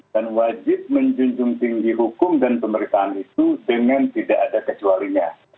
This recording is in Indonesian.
dan wajib menjunjung tinggi hukum dan pemerintahan itu dengan tidak ada kecualinya